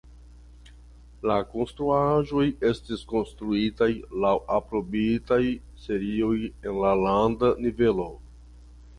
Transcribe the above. La konstruaĵoj estis konstruitaj laŭ aprobitaj serioj en la landa nivelo.